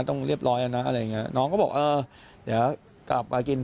ต้องเรียบร้อยแล้วนะอะไรอย่างเงี้ยน้องก็บอกเออเดี๋ยวกลับมากิน